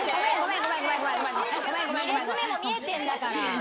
２列目も見えてんだから。